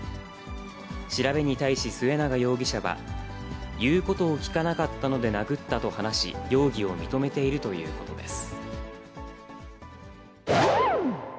調べに対し、末永容疑者は、言うことを聞かなかったので殴ったと話し、容疑を認めているということです。